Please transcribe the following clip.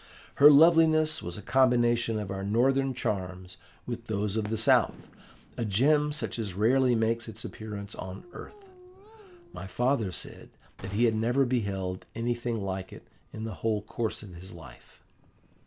Her loveliness was a combination of our Northern charms with those of the South, a gem such as rarely makes its appearance on earth. My father said that he had never beheld anything like it in the whole course of his life.